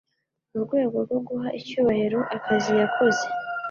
mu rwego rwo guha icyubahiro akazi yakoze